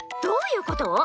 どういう事？